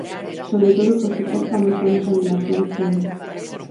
Sobre todo, por suposto, a máis famosa delas, o bitcoin.